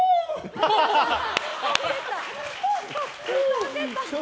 飛んでった。